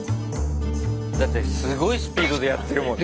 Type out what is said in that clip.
だってすごいスピードでやってるもんね。